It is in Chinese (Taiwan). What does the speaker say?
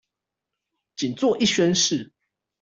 僅做一宣示